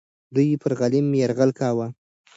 دوی پر غلیم یرغل کاوه.